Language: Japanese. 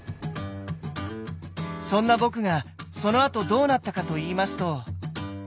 そんな僕がそのあとどうなったかと言いますと。